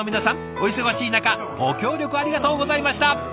お忙しい中ご協力ありがとうございました！